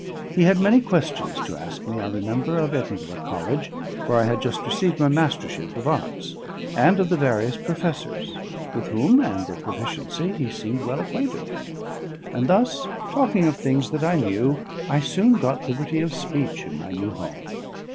He had many questions to ask me, I remember, of Edinburgh College, where I had just received my mastership of arts, and of the various professors, with whom and their proficiency he seemed well acquainted; and thus, talking of things that I knew, I soon got liberty of speech in my new home.